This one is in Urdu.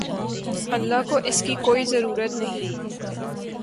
اللہ کو اس کی کوئی ضرورت نہیں